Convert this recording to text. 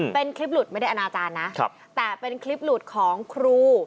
เป็นคลิปหลุดไม่ได้อนาจารย์นะแต่เป็นคลิปหลุดของครู